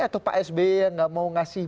atau pak sby yang tidak mau kasih